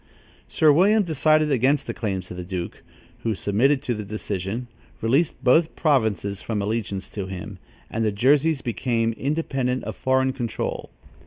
Sir William decided against the claims of the duke, who submitted to the decision, released both provinces from allegiance to him, and the Jerseys became independent of foreign control.